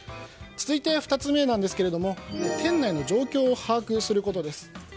続いて２つ目なんですが店内の状況を把握することです。